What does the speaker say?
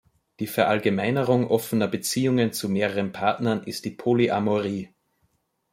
Die Verallgemeinerung offener Beziehungen zu mehreren Partnern ist die Polyamorie.